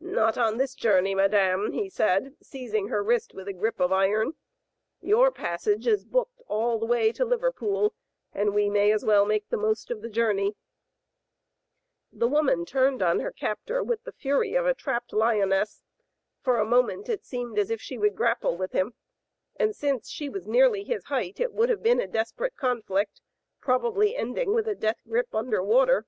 "Not this journey, madame, he said, seizing her wrist with a grip of iron. "Your passage is booked all the way to Liverpool, and we may as well make the most of the journey." The woman Digitized by Google 2SO THE FATE OF FENELLA, turned on her captor with the fury of a trapped lioness. For a moment it seemed as if she would grapple with him, and since she was nearly his height it would have been a desperate con flict, probably ending with a death grip under water.